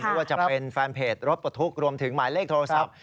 ไม่ว่าจะเป็นแฟนเพจรถปลดทุกข์รวมถึงหมายเลขโทรศัพท์